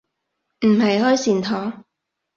唔係開善堂